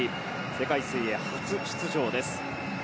世界水泳初出場です。